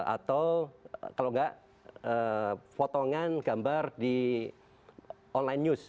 atau kalau enggak potongan gambar di online news